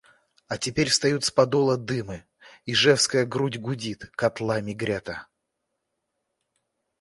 А теперь встают с Подола дымы, ижевская грудь гудит, котлами грета.